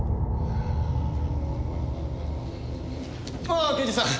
ああ刑事さん。